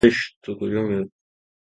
ثابت قدمی